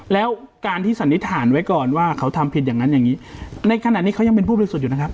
แล้วการที่สันนิษฐานไว้ก่อนว่าเขาทำผิดอย่างนั้นอย่างนี้ในขณะนี้เขายังเป็นผู้บริสุทธิ์อยู่นะครับ